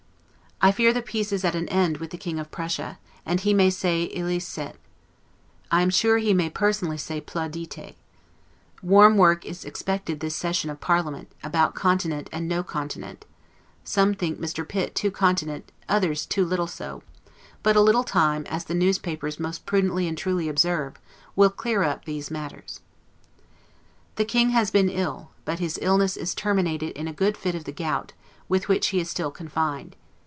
I fear the piece is at an end with the King of Prussia, and he may say 'ilicet'; I am sure he may personally say 'plaudite'. Warm work is expected this session of parliament, about continent and no continent; some think Mr. Pitt too continent, others too little so; but a little time, as the newspapers most prudently and truly observe, will clear up these matters. The King has been ill; but his illness is terminated in a good fit of the gout, with which he is still confined.